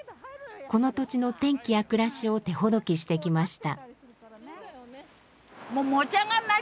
この土地の天気や暮らしを手ほどきしてきました。